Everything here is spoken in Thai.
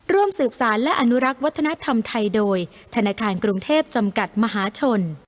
ร่วมสืบสารและอนุรักษ์วัฒนธรรมไทยโดยธนาคารกรุงเทพจำกัดมหาชน